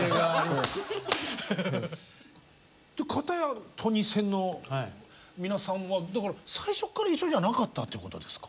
片やトニセンの皆さんはだから最初から一緒じゃなかったってことですか？